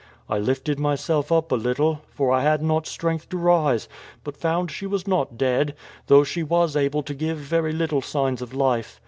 I lifted myself up a little, for I had not strength to rise, but found she was not dead, though she was able to give very little signs of life.